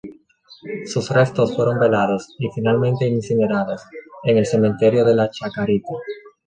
Sus restos fueron velados, y finalmente incinerados en el Cementerio de la Chacarita.